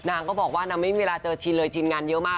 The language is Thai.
นางก็บอกว่านางไม่มีเวลาเจอชินเลยชินงานเยอะมาก